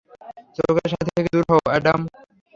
চোখের সামনে থেকে দূর হও, অ্যাডাম।